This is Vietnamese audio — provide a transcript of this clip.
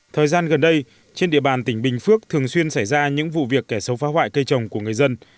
thời gian gần đây trên địa bàn tỉnh bình phước thường xuyên xảy ra những vụ việc kẻ sâu phá hoại cây trồng của người dân